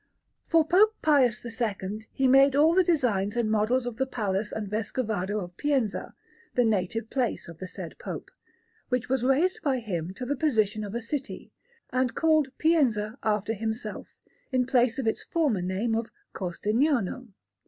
For Pope Pius II he made all the designs and models of the Palace and Vescovado of Pienza, the native place of the said Pope, which was raised by him to the position of a city, and called Pienza after himself, in place of its former name of Corsignano.